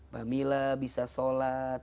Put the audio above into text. bami lah bisa sholat